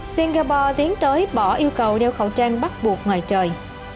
singapore tiến tới bỏ yêu cầu đeo khẩu trang bắt buộc ngoài trời